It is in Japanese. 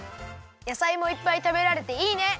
やさいもいっぱいたべられていいね！